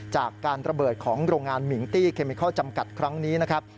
จากการระเบิดของโรงงานมิงตี้เคมิเคิลจำกัดครั้งนี้นะครับ